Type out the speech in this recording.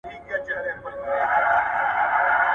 د ملکیار هوتک په کلام کې د مخلصانه مینې احساس شته.